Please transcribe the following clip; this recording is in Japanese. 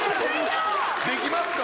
できますか？